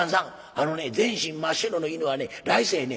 あのね全身真っ白の犬はね来世はね